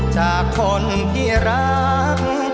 ช่วยฝังดินหรือกว่า